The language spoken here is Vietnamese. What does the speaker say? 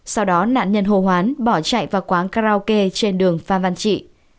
sau đó nạn nhân hồ hoán bỏ chạy vào quán karaoke trên đường phan văn trị